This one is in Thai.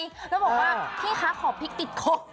แล้วบอกว่าพี่คะขอพริกติดคุก